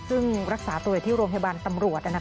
ซึ่งรักษาตัวอยู่ที่โรงพยาบาลตำรวจ